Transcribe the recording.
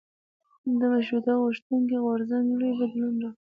د مشروطه غوښتونکو غورځنګ لوی بدلونونه راوړل.